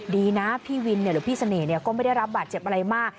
ดีนะพี่วินหรือพี่เสน่ห์ก็ไม่ได้รับบาดเจ็บอะไรมาก